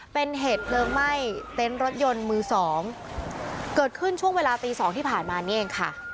เป็นเหตุเพลิงไหม้เต็นต์รถยนต์มือสองเกิดขึ้นช่วงเวลาตีสองที่ผ่านมานี่เองค่ะ